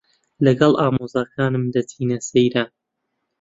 لەگەڵ ئامۆزاکانم دەچینە سەیران.